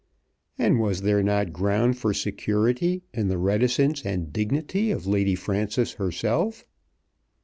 And was there not ground for security in the reticence and dignity of Lady Frances herself?